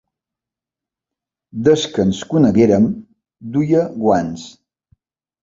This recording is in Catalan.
Des que ens coneguérem duia guants.